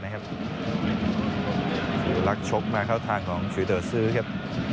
รักชกมาเข้าทางของฟิลเตอร์ซื้อครับ